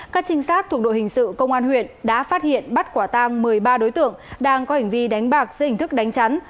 các trinh sát thuộc đội hình sự công an huyện đã phát hiện bắt quả tang một mươi ba đối tượng đang có hành vi đánh bạc dây hình thức đánh trán